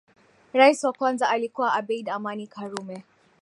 Rais wa kwanza alikuwa Abeid Amani Karume